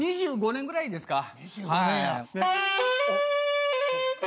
２５年ぐらいですか。